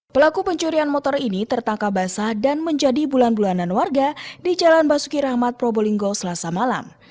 pelaku pencurian motor ini tertangkap basah dan menjadi bulan bulanan warga di jalan basuki rahmat probolinggo selasa malam